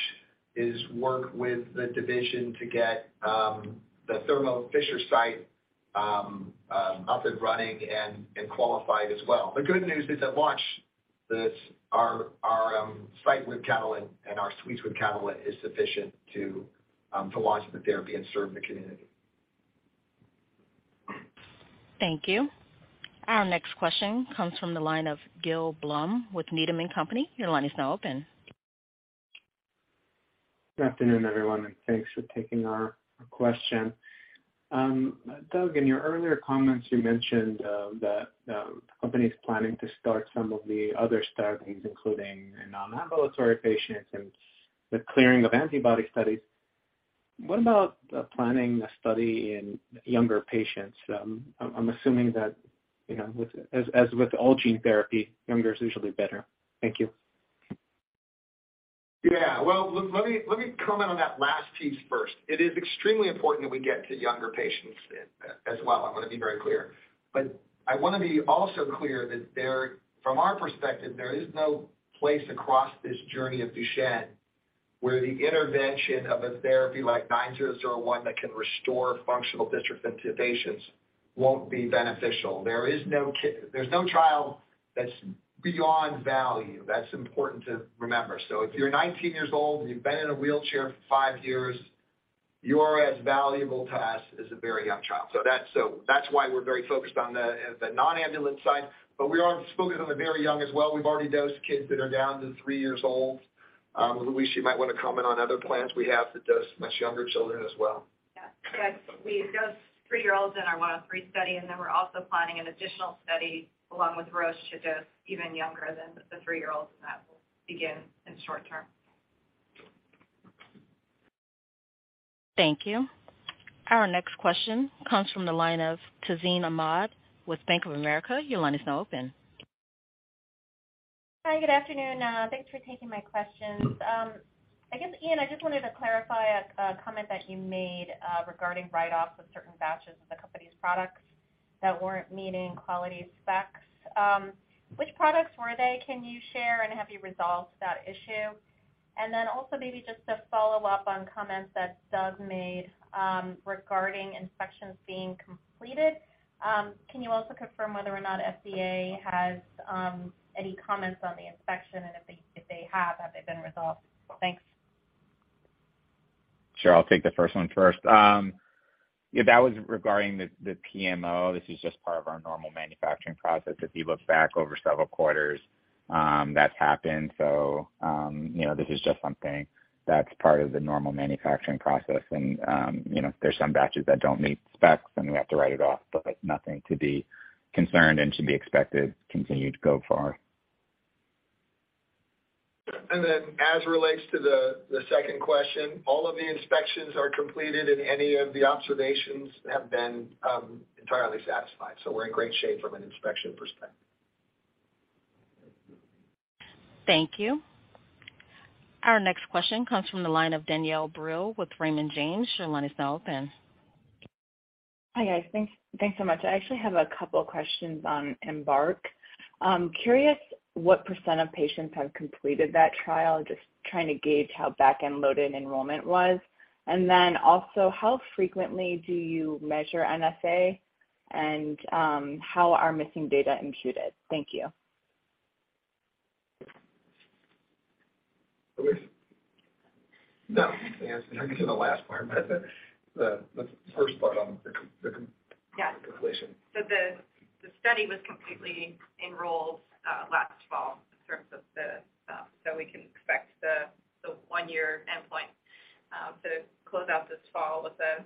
is work with the division to get the Thermo Fisher site up and running and qualified as well. The good news is at launch that our site with Catalent and our suites with Catalent is sufficient to launch the therapy and serve the community.
Thank you. Our next question comes from the line of Gil Blum with Needham & Company. Your line is now open.
Good afternoon, everyone. Thanks for taking our question. Doug, in your earlier comments, you mentioned that the company is planning to start some of the other studies, including in non-ambulatory patients and the clearing of antibody studies. What about planning a study in younger patients? I'm assuming that, you know, as with all gene therapy, younger is usually better. Thank you.
Well, let me comment on that last piece first. It is extremely important that we get to younger patients as well. I wanna be very clear. I wanna be also clear that, from our perspective, there is no place across this journey of Duchenne where the intervention of a therapy like SRP-9001 that can restore functional dystrophin into patients won't be beneficial. There's no child that's beyond value. That's important to remember. If you're 19 years old and you've been in a wheelchair for five years, you are as valuable to us as a very young child. That's why we're very focused on the non-ambulatory side, we are focused on the very young as well. We've already dosed kids that are down to three years old. Louise, you might wanna comment on other plans we have to dose much younger children as well.
Yeah. We dosed three-year-olds in our Study 103, and then we're also planning an additional study along with Roche to dose even younger than the three-year-olds, and that will begin in the short term.
Thank you. Our next question comes from the line of Tazeen Ahmad with Bank of America. Your line is now open.
Hi, good afternoon. Thanks for taking my questions. I guess, Ian, I just wanted to clarify a comment that you made regarding write-offs of certain batches of the company's products that weren't meeting quality specs. Which products were they? Can you share and have you resolved that issue? Also maybe just to follow up on comments that Doug made regarding inspections being completed, can you also confirm whether or not FDA has any comments on the inspection? If they have they been resolved? Thanks.
Sure. I'll take the first one first. That was regarding the PMO. This is just part of our normal manufacturing process. If you look back over several quarters, that's happened. This is just something that's part of the normal manufacturing process and there's some batches that don't meet specs, and we have to write it off, but nothing to be concerned and to be expected continued to go far.
As relates to the second question, all of the inspections are completed, and any of the observations have been entirely satisfied. We're in great shape from an inspection perspective.
Thank you. Our next question comes from the line of Danielle Brill with Raymond James. Your line is now open.
Hi, guys. Thanks so much. I actually have a couple questions on EMBARK. I'm curious what % of patients have completed that trial. Just trying to gauge how back-end loaded enrollment was. Then also, how frequently do you measure NSAA, and, how are missing data imputed? Thank you.
No answer to the last part, but the first part on the completion.
Yeah.
The study was completely enrolled last fall in terms of the, we can expect the one-year endpoint to close out this fall with the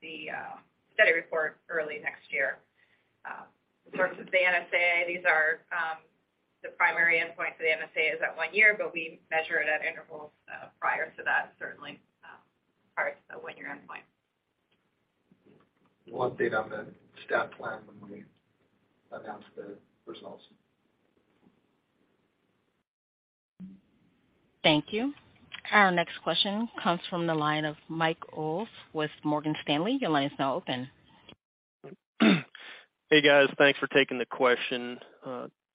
study report early next year. In terms of the NSAA, these are the primary endpoint for the NSAA is at one year, but we measure it at intervals prior to that, certainly prior to the one-year endpoint.
We'll update on the stat plan when we announce the results.
Thank you. Our next question comes from the line of Michael Ulz with Morgan Stanley. Your line is now open.
Hey, guys, thanks for taking the question.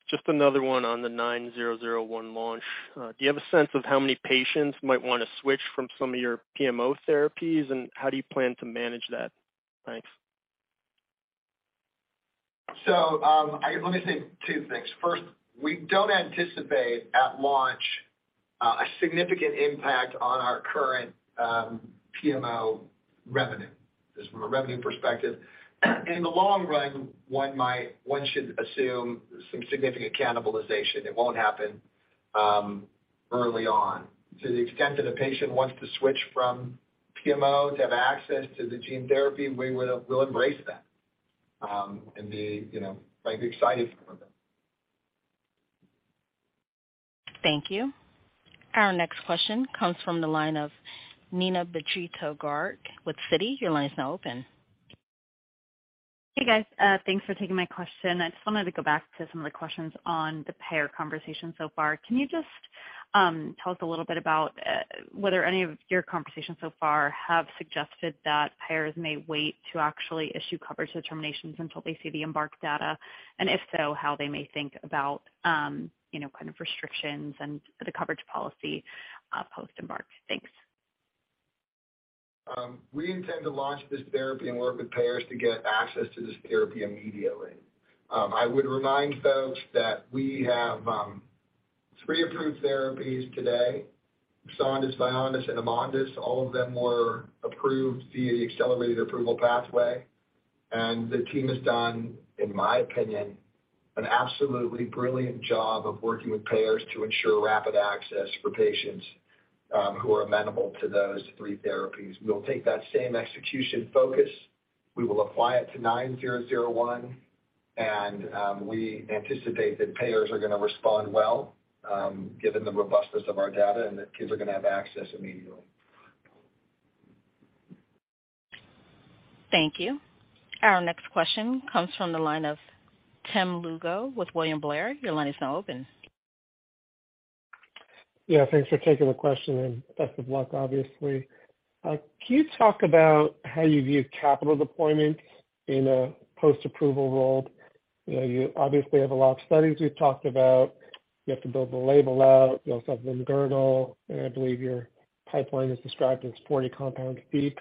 Just another one on the SRP-9001 launch. Do you have a sense of how many patients might wanna switch from some of your PMO therapies, and how do you plan to manage that? Thanks.
Let me say two things. First, we don't anticipate at launch a significant impact on our current PMO revenue. Just from a revenue perspective. In the long run, one should assume some significant cannibalization. It won't happen early on. To the extent that a patient wants to switch from PMO to have access to the gene therapy, we'll embrace that, you know, like, excited for them.
Thank you. Our next question comes from the line of Neena Bitritto-Garg with Citi. Your line is now open.
Hey, guys. thanks for taking my question. I just wanted to go back to some of the questions on the payer conversation so far. Can you just tell us a little bit about whether any of your conversations so far have suggested that payers may wait to actually issue coverage determinations until they see the EMBARK data, and if so, how they may think about, you know, kind of restrictions and the coverage policy post EMBARK? Thanks.
We intend to launch this therapy and work with payers to get access to this therapy immediately. I would remind folks that we have three approved therapies today, Exondys, Vyondys, and Amondys. All of them were approved via the accelerated approval pathway. The team has done, in my opinion, an absolutely brilliant job of working with payers to ensure rapid access for patients, who are amenable to those three therapies. We'll take that same execution focus, we will apply it to 9001, and we anticipate that payers are gonna respond well, given the robustness of our data, and that kids are gonna have access immediately.
Thank you. Our next question comes from the line of Tim Lugo with William Blair. Your line is now open.
Yeah, thanks for taking the question and best of luck, obviously. Can you talk about how you view capital deployments in a post-approval world? You know, you obviously have a lot of studies you've talked about. You have to build the label out. You also have Limb-girdle and I believe your pipeline is described as 40 compounds deep.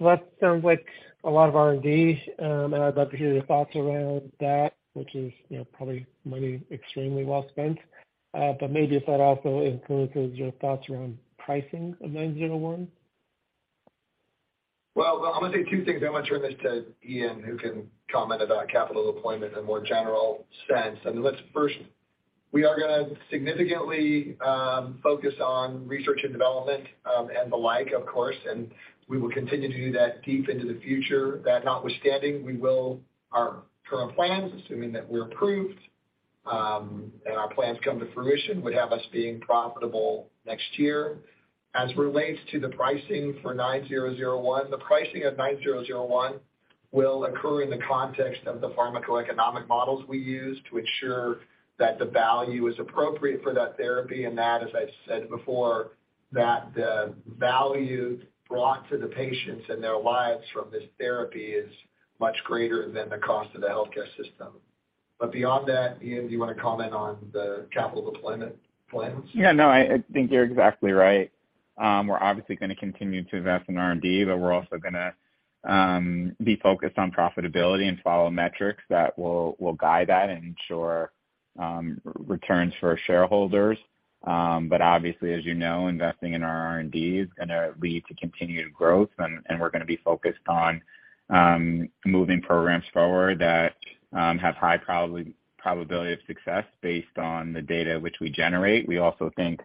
That sounds like a lot of R&D, and I'd love to hear your thoughts around that, which is, you know, probably money extremely well spent. Maybe if that also influences your thoughts around pricing of 901.
Well, I'm gonna say two things. I wanna turn this to Ian, who can comment about capital deployment in a more general sense. I mean, We are gonna significantly focus on research and development, and the like, of course, and we will continue to do that deep into the future. That notwithstanding, our current plans, assuming that we're approved, and our plans come to fruition, would have us being profitable next year. As relates to the pricing for nine zero zero one, the pricing of nine zero zero one will occur in the context of the pharmacoeconomic models we use to ensure that the value is appropriate for that therapy and that, as I said before, that the value brought to the patients and their lives from this therapy is much greater than the cost of the healthcare system. Beyond that, Ian, do you wanna comment on the capital deployment plans?
Yeah, no, I think you're exactly right. We're obviously gonna continue to invest in R&D, but we're also gonna be focused on profitability and follow metrics that will guide that and ensure returns for shareholders. Obviously, as you know, investing in our R&D is gonna lead to continued growth and we're gonna be focused on moving programs forward that have high probability of success based on the data which we generate. We also think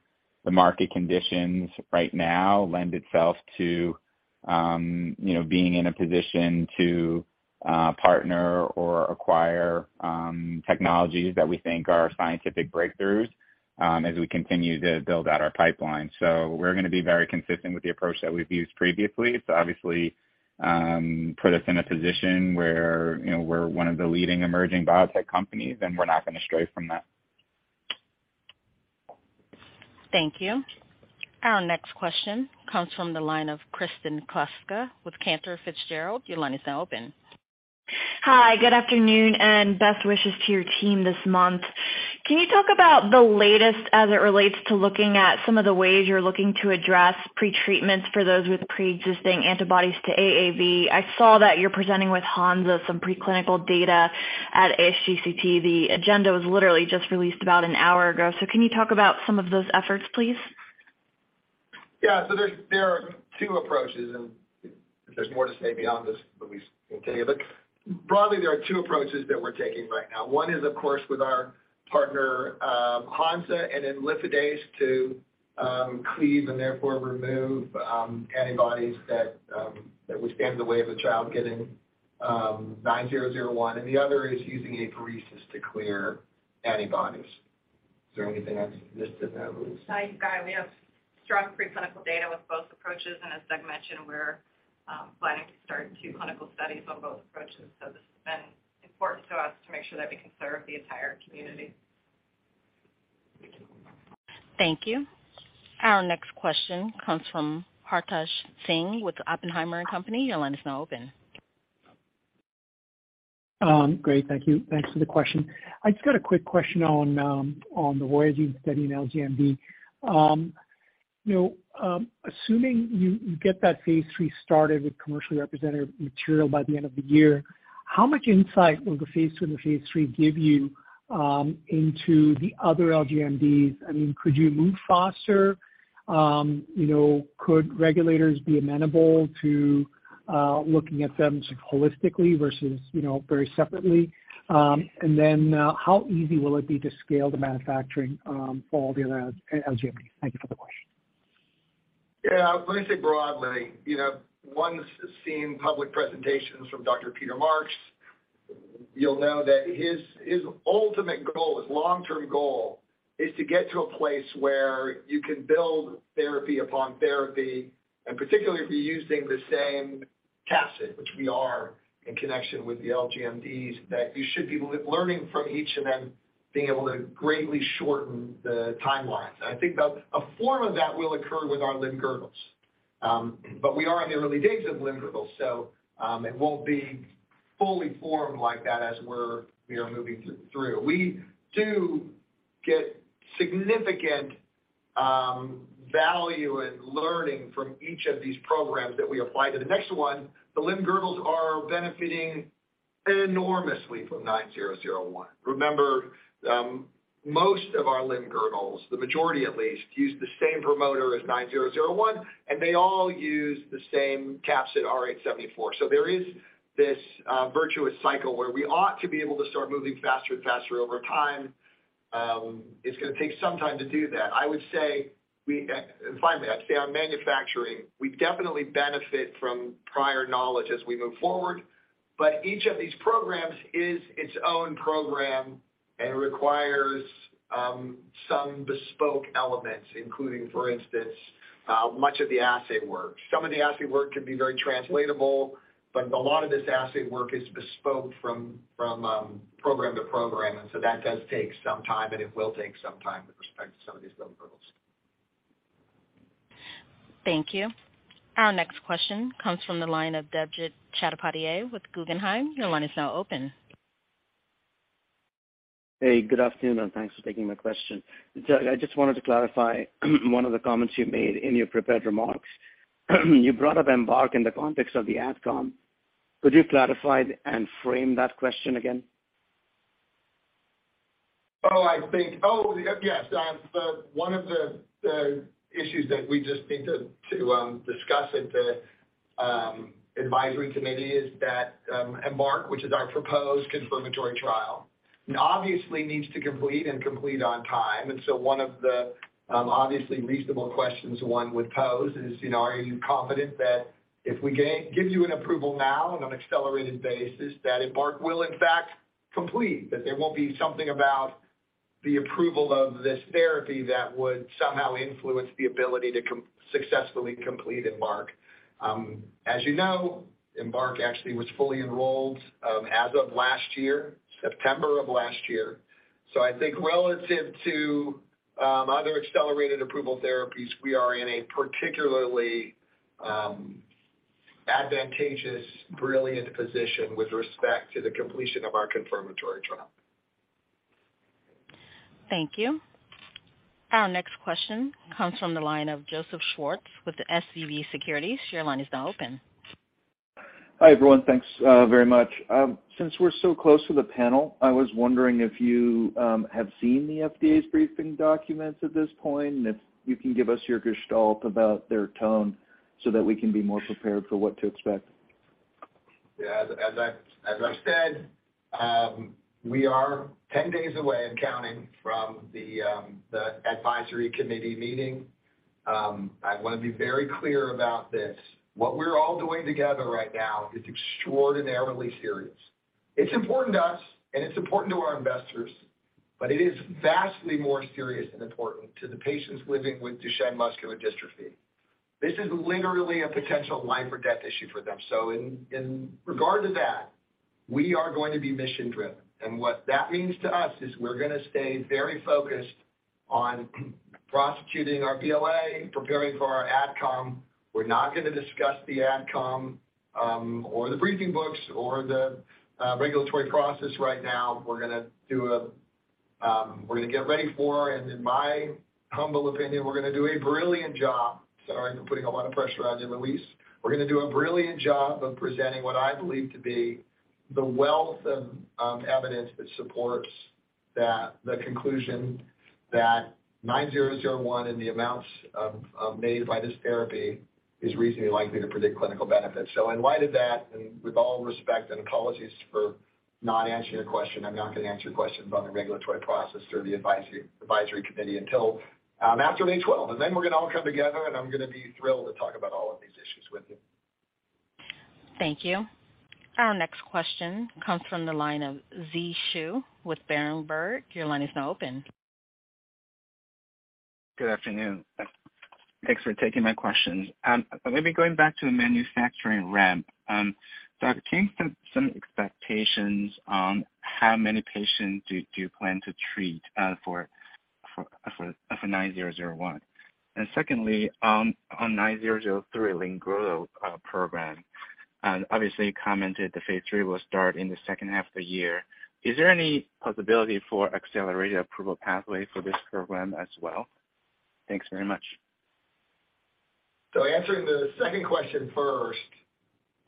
the market conditions right now lend itself to, you know, being in a position to partner or acquire technologies that we think are scientific breakthroughs. As we continue to build out our pipeline. We're gonna be very consistent with the approach that we've used previously. It's obviously put us in a position where, you know, we're one of the leading emerging biotech companies, and we're not gonna stray from that.
Thank you. Our next question comes from the line of Kristen Kluska with Cantor Fitzgerald. Your line is now open.
Hi. Good afternoon. Best wishes to your team this month. Can you talk about the latest as it relates to looking at some of the ways you're looking to address pretreatments for those with preexisting antibodies to AAV? I saw that you're presenting with Hansa some preclinical data at ASGCT. The agenda was literally just released about an hour ago. Can you talk about some of those efforts, please?
Yeah. There are two approaches, and if there's more to say beyond this, Louise, continue. Broadly, there are two approaches that we're taking right now. One is, of course, with our partner, Hansa, an imlifidase to cleave and therefore remove antibodies that would stand in the way of a child getting 9001, and the other is using apheresis to clear antibodies. Is there anything else missed in that, Louise?
Hi, Guy. We have strong preclinical data with both approaches. As Doug mentioned, we're planning to start two clinical studies on both approaches. This has been important to us to make sure that we can serve the entire community.
Thank you.
Thank you. Our next question comes from Hartaj Singh with Oppenheimer & Co. Your line is now open.
Great. Thank you. Thanks for the question. I just got a quick question on the VOYAGENE study in LGMD. You know, assuming you get that PIII started with commercially representative material by the end of the year, how much insight will the PII and the PIII give you into the other LGMDs? I mean, could you move faster? You know, could regulators be amenable to looking at them holistically versus, you know, very separately? How easy will it be to scale the manufacturing for all the other LGMDs? Thank you for the question.
Yeah. Let me say broadly, you know, one's seen public presentations from Dr. Peter Marks. You'll know that his ultimate goal, his long-term goal is to get to a place where you can build therapy upon therapy, and particularly if you're using the same capsid, which we are in connection with the LGMDs, that you should be learning from each of them, being able to greatly shorten the timelines. I think that a form of that will occur with our limb-girdles. We are in the early days of limb-girdle, so, it won't be fully formed like that as we're, you know, moving through. We do get significant value in learning from each of these programs that we apply to the next one. The limb-girdles are benefiting enormously from SRP-9001. Remember, most of our limb-girdles, the majority at least, use the same promoter as SRP-9001, and they all use the same capsid, rAAVrh74. There is this virtuous cycle where we ought to be able to start moving faster and faster over time. It's gonna take some time to do that. Finally, I'd say on manufacturing, we definitely benefit from prior knowledge as we move forward, but each of these programs is its own program and requires some bespoke elements, including, for instance, much of the assay work. Some of the assay work can be very translatable, but a lot of this assay work is bespoke from program to program. That does take some time, and it will take some time with respect to some of these limb-girdles.
Thank you. Our next question comes from the line of Debjit Chattopadhyay with Guggenheim. Your line is now open.
Hey. Good afternoon, and thanks for taking my question. Doug, I just wanted to clarify one of the comments you made in your prepared remarks. You brought up EMBARK in the context of the AdCom. Could you clarify and frame that question again?
I think. Oh, yes. The one of the issues that we just need to discuss at the advisory committee is that EMBARK, which is our proposed confirmatory trial, obviously needs to complete and complete on time. One of the obviously reasonable questions one would pose is, you know, are you confident that if we give you an approval now on an accelerated basis, that EMBARK will in fact complete, that there won't be something about the approval of this therapy that would somehow influence the ability to successfully complete EMBARK. As you know, EMBARK actually was fully enrolled as of last year, September of last year. I think relative to other accelerated approval therapies, we are in a particularly advantageous, brilliant position with respect to the completion of our confirmatory trial.
Thank you. Our next question comes from the line of Joseph Schwartz with SVB Securities. Your line is now open.
Hi, everyone. Thanks, very much. Since we're so close to the panel, I was wondering if you have seen the FDA's briefing documents at this point, and if you can give us your gestalt about their tone so that we can be more prepared for what to expect.
Yeah. As I, as I've said, we are 10 days away and counting from the advisory committee meeting. I wanna be very clear about this. What we're all doing together right now is extraordinarily serious. It's important to us and it's important to our investors, but it is vastly more serious and important to the patients living with Duchenne muscular dystrophy. This is literally a potential life or death issue for them. In, in regard to that, we are going to be mission-driven. What that means to us is we're gonna stay very focused on prosecuting our BLA, preparing for our ad com. We're not gonna discuss the ad com or the briefing books or the regulatory process right now. We're gonna get ready for, and in my humble opinion, we're gonna do a brilliant job. Sorry for putting a lot of pressure on you, Louise. We're gonna do a brilliant job of presenting what I believe to be the wealth of evidence that supports that, the conclusion that SRP-9001 in the amounts of made by this therapy is reasonably likely to predict clinical benefit. In light of that, and with all respect and apologies for not answering your question, I'm not gonna answer questions on the regulatory process or the advisory committee until after May 12. We're gonna all come together, and I'm gonna be thrilled to talk about all of these issues with you.
Thank you. Our next question comes from the line of Zhi Shu with Berenberg. Your line is now open.
Good afternoon. Thanks for taking my questions. Maybe going back to the manufacturing ramp. I came to some expectations on how many patients do you plan to treat, for SRP-9001? Secondly, on SRP-9003 limb-girdle program, obviously you commented the PIII will start in the second half of the year. Is there any possibility for accelerated approval pathway for this program as well? Thanks very much.
Answering the second question first.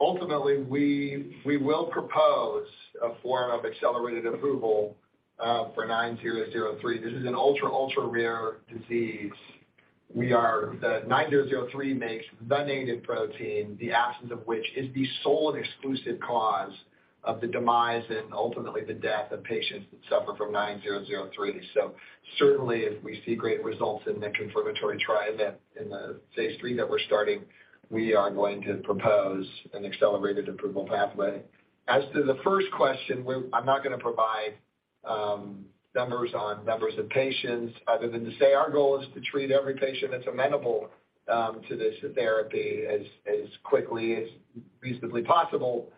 Ultimately, we will propose a form of accelerated approval for 9003. This is an ultra-rare disease. The 9003 makes the native protein, the absence of which is the sole and exclusive cause of the demise and ultimately the death of patients that suffer from 9003. Certainly, if we see great results in the confirmatory trial that in the PIII that we're starting, we are going to propose an accelerated approval pathway. As to the first question, I'm not gonna provide numbers on numbers of patients other than to say our goal is to treat every patient that's amenable to this therapy as quickly as reasonably possible.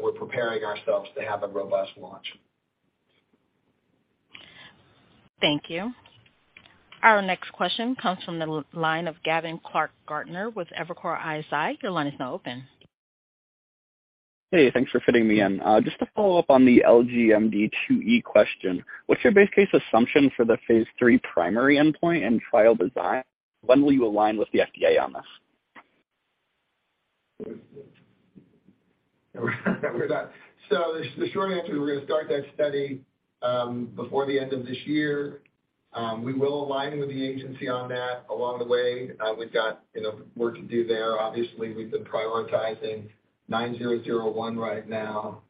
We're preparing ourselves to have a robust launch.
Thank you. Our next question comes from the line of Gavin Clark -Gartner with Evercore ISI. Your line is now open.
Hey, thanks for fitting me in. Just to follow up on the LGMD 2E question, what's your base case assumption for the PIII primary endpoint and trial design? When will you align with the FDA on this?
The, short answer is we're gonna start that study before the end of this year. We will align with the agency on that along the way. We've got, you know, work to do there. Obviously, we've been prioritizing SRP-9001 right now.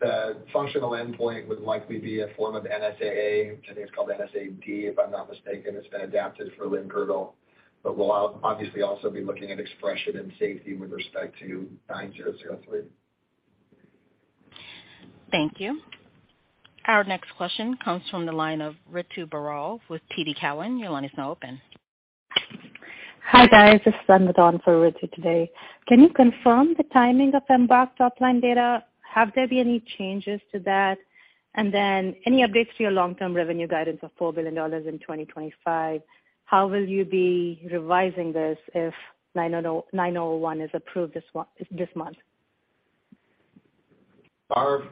The functional endpoint would likely be a form of NSAA, which I think is called NSAD, if I'm not mistaken. It's been adapted for limb-girdle. We'll obviously also be looking at expression and safety with respect to SRP-9003.
Thank you. Our next question comes from the line of Ritu Baral with TD Cowen. Your line is now open.
Hi, guys. This is Sundan Don for Ritu today. Can you confirm the timing of EMBARK top line data? Have there been any changes to that? Any updates to your long-term revenue guidance of $4 billion in 2025? How will you be revising this if SRP-9001 is approved this month?
Our,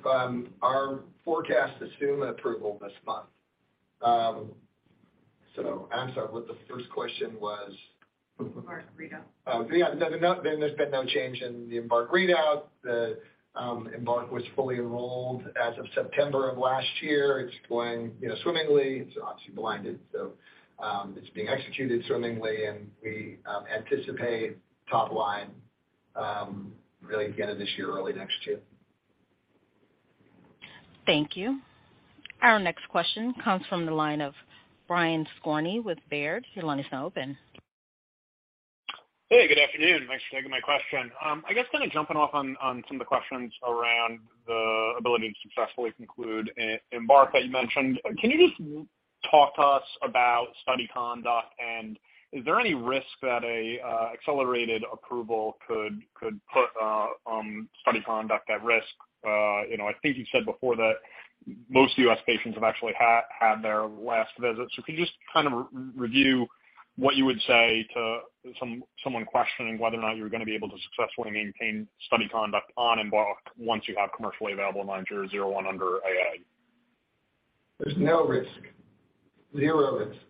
our forecast assume an approval this month. I'm sorry, what the first question was?
EMBARK readout.
Oh, yeah. No, there's been no change in the EMBARK readout. The EMBARK was fully enrolled as of September of last year. It's going, you know, swimmingly. It's obviously blinded, so it's being executed swimmingly, and we anticipate top line really beginning this year, early next year.
Thank you. Our next question comes from the line of Brian Skorney with Baird. Your line is now open.
Hey, good afternoon. Thanks for taking my question. I guess kinda jumping off on some of the questions around the ability to successfully conclude EMBARK that you mentioned. Can you just talk to us about study conduct? Is there any risk that a accelerated approval could put study conduct at risk? You know, I think you said before that most U.S..patients have actually had their last visit. Can you just kind of re-review what you would say to someone questioning whether or not you're gonna be able to successfully maintain study conduct on EMBARK once you have commercially available SRP-9001 under AA?
There's no risk. Zero risk.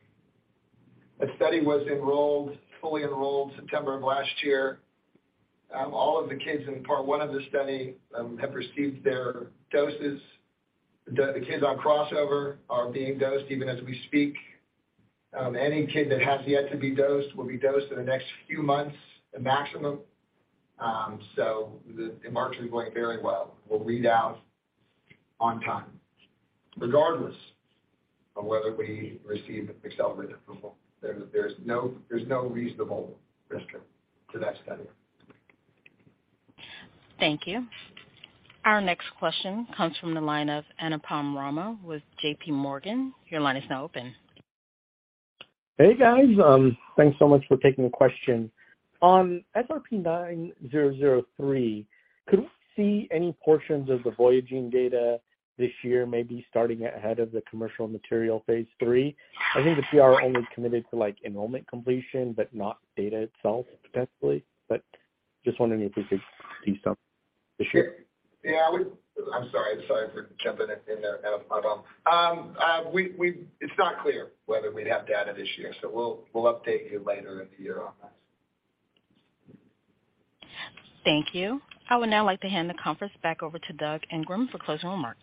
That study was enrolled, fully enrolled September of last year. All of the kids in part 1 of the study have received their doses. The kids on crossover are being dosed even as we speak. Any kid that has yet to be dosed will be dosed in the next few months at maximum. The EMBARK study is going very well. We'll read out on time, regardless of whether we receive accelerated approval, there's no reasonable restriction to that study.
Thank you. Our next question comes from the line of Anupam Rama with JPMorgan. Your line is now open.
Hey, guys. Thanks so much for taking the question. On SRP-9003, could we see any portions of the VOYAGENE data this year, maybe starting ahead of the commercial material PIII? I think the PR only committed to, like, enrollment completion, but not data itself, potentially. Just wondering if we could see some this year.
Yeah, I'm sorry for jumping in there, Anupam. It's not clear whether we'd have data this year, we'll update you later in the year on that.
Thank you. I would now like to hand the conference back over to Doug Ingram for closing remarks.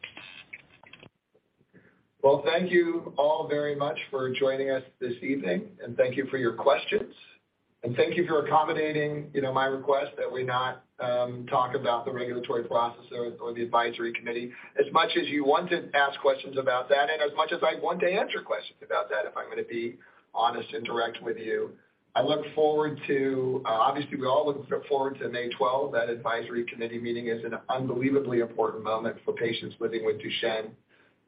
Well, thank you all very much for joining us this evening. Thank you for your questions. Thank you for accommodating, you know, my request that we not talk about the regulatory process or the advisory committee. As much as you want to ask questions about that, and as much as I'd want to answer questions about that, if I'm gonna be honest and direct with you. I look forward to, obviously, we all look forward to May 12. That advisory committee meeting is an unbelievably important moment for patients living with Duchenne.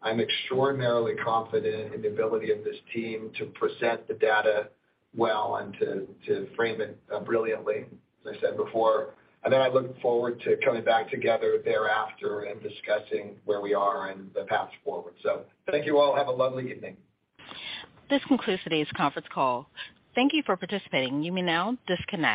I'm extraordinarily confident in the ability of this team to present the data well and to frame it brilliantly, as I said before. Then I look forward to coming back together thereafter and discussing where we are and the path forward. Thank you all. Have a lovely evening.
This concludes today's conference call. Thank you for participating. You may now disconnect.